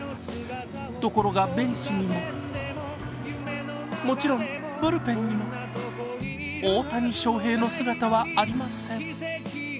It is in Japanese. ところがベンチにも、もちろんブルペンにも、大谷翔平の姿はありません。